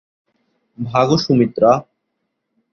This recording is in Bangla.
ভাগো, সুমিত্রা!